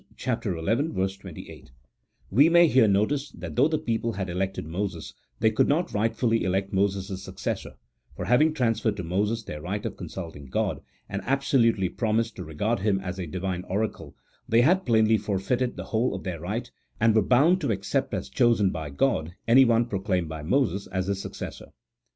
xi. 28) 1 We may here notice, that though the people had elected Moses, they could not rightfully elect Moses's successor; for having transferred to Moses their right of consulting God, and absolutely promised to regard him as a Divine oracle, they had plainly forfeited the whole of their right, and were bound to accept as chosen by God anyone proclaimed by Moses as his successor.